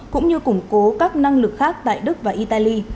cũng như củng cố các năng lực khác tại đức và italy